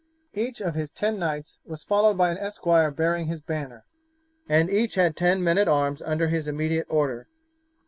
Each of his ten knights was followed by an esquire bearing his banner, and each had ten men at arms under his immediate order.